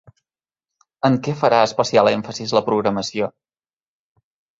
En què farà especial èmfasi la programació?